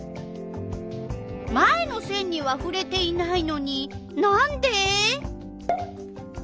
前のせんにはふれていないのになんで？